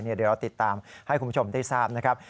เดี๋ยวเราติดตามให้คุณผู้ชมได้ทราบนะครับ